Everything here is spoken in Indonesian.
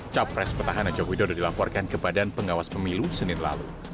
capres petahana jokowi dodo dilaporkan ke badan pengawas pemilu senin lalu